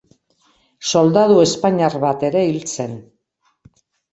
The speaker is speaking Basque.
Soldadu espainiar bat ere hil zen.